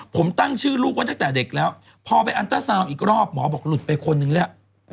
ผมตั้งชื่อลูกไว้ตั้งแต่เด็กแล้วพอไปอันเตอร์ซาวน์อีกรอบหมอบอกหลุดไปคนนึงแล้ว